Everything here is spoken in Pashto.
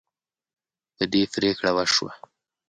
په دې پریکړه وشوه.